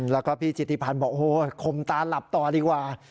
แล้วก็พี่จิติพันธ์บอกโอ้โหคมตาหลับต่อดีกว่า